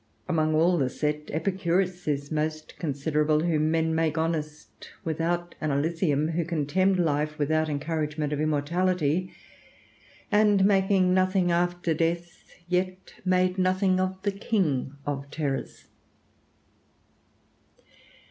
Among all the set, Epicurus is most considerable, whom men make honest without an Elysium, who contemned life without encouragement of immortality, and making nothing after death, yet made nothing of the king of terrors.